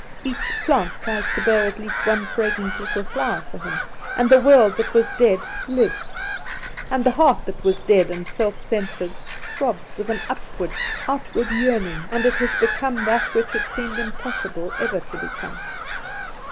Each plant tries to bear at least one fragrant little flower for him; and the world that was dead lives, and the heart that was dead and self centred throbs, with an upward, outward yearning, and it has become that which it seemed impossible ever to become.